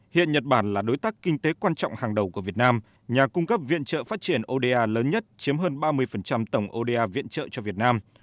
hiện nhật bản là đối tác kinh tế quan trọng hàng đầu của việt nam nhà cung cấp viện trợ phát triển oda lớn nhất chiếm hơn ba mươi tổng oda viện trợ cho việt nam